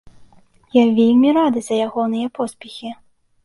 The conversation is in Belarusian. Я вельмі рады за ягоныя поспехі!